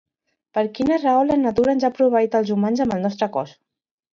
Per quina raó la natura ens ha proveït als humans amb el nostre cos?